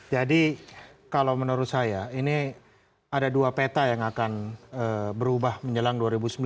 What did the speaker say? jadi kalau menurut saya ini ada dua peta yang akan berubah menjelang dua ribu sembilan belas